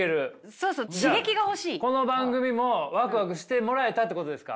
そうそうこの番組もワクワクしてもらえたってことですか？